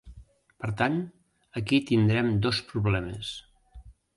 Per tant, aquí tindrem dos problemes.